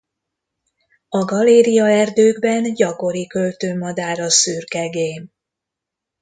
A galériaerdőkben gyakori költő madár a szürke gém.